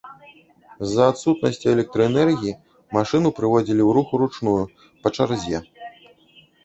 З-за адсутнасці электраэнергіі машыну прыводзілі ў рух уручную па чарзе.